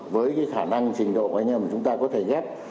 với khả năng trình độ của anh em chúng ta có thể ghép